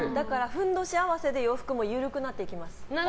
ふんどし合わせで洋服も緩くなっていきます。